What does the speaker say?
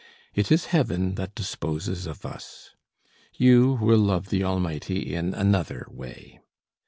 It is Heaven that disposes of us. You will love the Almighty in another way.